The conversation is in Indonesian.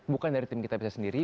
bukan dari tim kita bisa sendiri